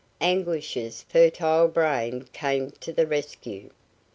Anguish's fertile brain came to the rescue.